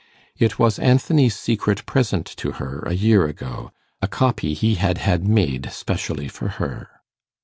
It was Anthony's secret present to her a year ago a copy he had had made specially for her.